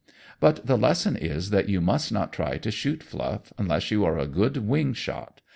But the lesson is that you must not try to shoot Fluff unless you are a good wing shot.